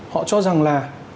họ cho rằng là